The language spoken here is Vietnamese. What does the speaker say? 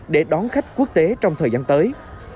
để đón khách quốc tế trong thời gian tới